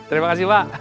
terima kasih pak